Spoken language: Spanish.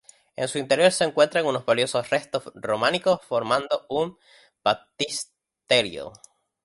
En su interior se encuentran unos valiosos restos románicos formando un baptisterio.